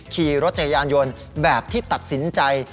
ขี่รถจักรยานยนต์แบบที่ตัดสินใจ